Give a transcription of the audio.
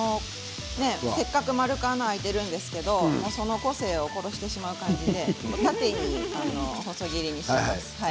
ちくわは、せっかくまるく穴を開いているんですがその個性を殺してしまう感じで縦に細切りにします。